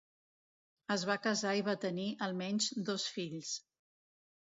Es va casar i va tenir, almenys, dos fills.